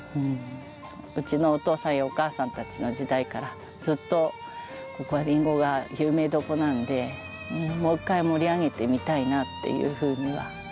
うちのお父さんやお母さんたちの時代からずっとここはリンゴが有名どころなのでもう一回盛り上げてみたいなっていうふうには思います。